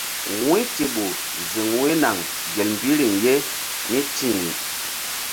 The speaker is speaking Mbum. Wu̧y Tiɓu ziŋ Wu̧ynaŋ gel mbí riŋ ye mí ti̧h.